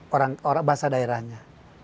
orang orang bahasa daerahnya